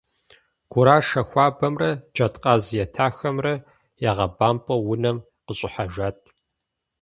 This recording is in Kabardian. Гурашэ хуабэмрэ джэдкъаз етахэмрэ ягъэбэмпӀауэ унэм къыщӀыхьэжат.